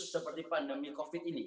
seperti pandemi covid ini